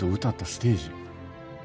歌ったステージ。